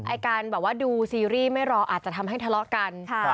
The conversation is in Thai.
ไอ้การแบบว่าดูซีรีส์ไม่รออาจจะทำให้ทะเลาะกัน